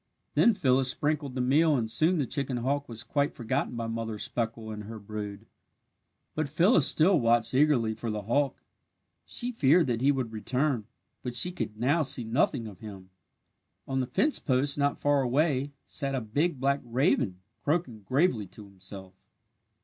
Then Phyllis sprinkled the meal and soon the chicken hawk was quite forgotten by Mother Speckle and her brood. But Phyllis still watched eagerly for the hawk. She feared that he would return. But she could now see nothing of him. On the fence post, not far away, sat a big black raven croaking gravely to himself.